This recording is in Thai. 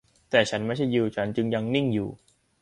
แต่ฉันไม่ใช่ยิว ฉันจึงยังนิ่งอยู่